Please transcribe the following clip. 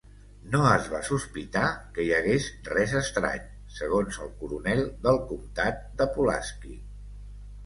No es va sospitar que hi hagués res estrany, segons el coronel del comtat de Pulaski.